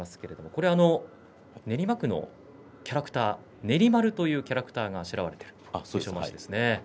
これは練馬区のキャラクターねり丸というキャラクターがあしらわれている化粧まわしですね。